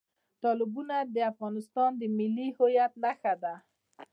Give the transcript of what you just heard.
تالابونه د افغانستان د ملي هویت نښه ده.